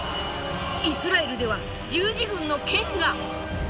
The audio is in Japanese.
イスラエルでは十字軍の剣が。